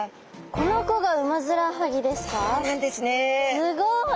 すごい。